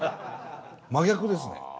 真逆ですね。